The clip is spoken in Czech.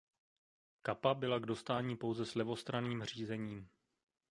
Kappa byla k dostání pouze s levostranným řízením.